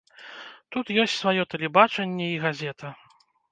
Тут ёсць сваё тэлебачанне і газета.